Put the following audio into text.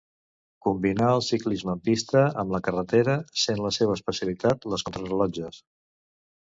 Combinà el ciclisme en pista amb la carretera, sent la seva especialitat les contrarellotges.